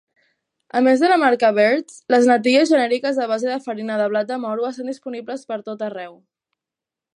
A més de la marca Bird's, les natilles genèriques a base de farina de blat de moro estan disponibles per tot arreu.